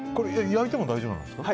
焼いても大丈夫なんですか？